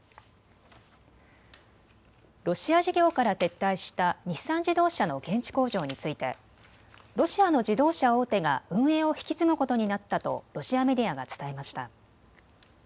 ロシア事業から撤退した日産自動車の現地工場についてロシアの自動車大手が運営を引き継ぐことになったとロシアメディアが伝えました。